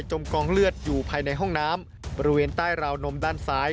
กองเลือดอยู่ภายในห้องน้ำบริเวณใต้ราวนมด้านซ้าย